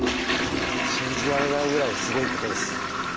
信じられないぐらいすごいことです。